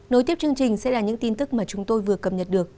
nối tiếp chương trình sẽ là những tin tức mà chúng tôi vừa cập nhật được